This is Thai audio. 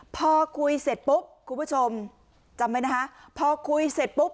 พอคุยเสร็จปุ๊บคุณผู้ชมจำไว้นะคะพอคุยเสร็จปุ๊บ